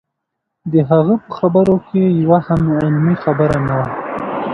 د هغه په خبرو کې یوه هم علمي خبره نه وه.